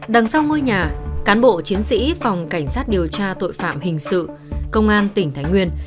đằng sau ngôi nhà cán bộ chiến sĩ phòng cảnh sát điều tra tội phạm hình sự công an tỉnh thái nguyên